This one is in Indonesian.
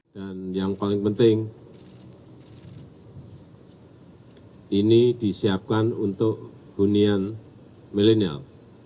dan yang paling penting ini disiapkan untuk hunian milenial